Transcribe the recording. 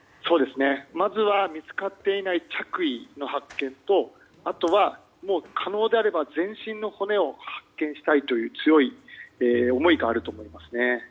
まずは見つかっていない着衣の発見とあとは可能であれば全身の骨を発見したいという強い思いがあると思います。